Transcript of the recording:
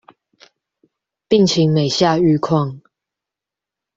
病情每下愈況